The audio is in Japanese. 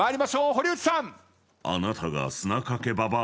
堀内さん。